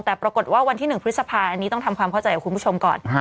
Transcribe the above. แต่ปรากฏว่าวันที่๑พฤษภาอันนี้ต้องทำความเข้าใจกับคุณผู้ชมก่อน